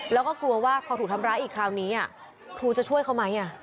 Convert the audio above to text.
แล้วก็กลัวว่าพอถูกทำร้ายอีกคราวนี้ครูจะช่วยเขาไหม